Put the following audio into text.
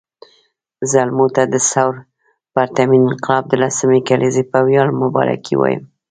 زلمو ته د ثور پرتمین انقلاب د لسمې کلېزې په وياړ مبارکي وایم